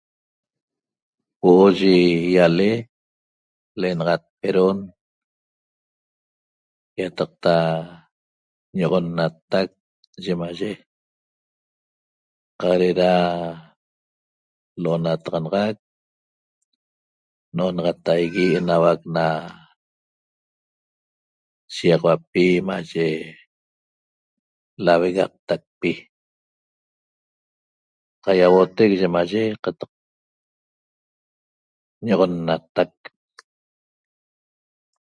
Huo'o yi ýale l'enaxat Peron ýataqta ño'oxonnatac yimaye qaq de'eda l'onataxanaxac n'onaxataigui enauac na shiýaxauapi maye lavegaqtacpi qaýauotec yimaye qataq ño'oxonnatac